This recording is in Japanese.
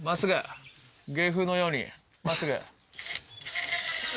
芸風のように真っすぐ。